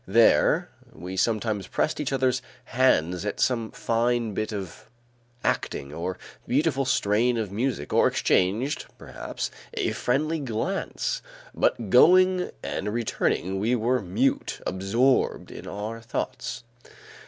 There, we sometimes pressed each other's hands at some fine bit of acting or beautiful strain of music, or exchanged, perhaps, a friendly glance, but going and returning we were mute, absorbed in our thoughts.